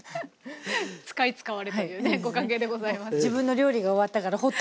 使い使われというねご関係でございます。